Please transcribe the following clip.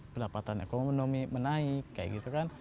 pendapatan ekonomi menaik kayak gitu kan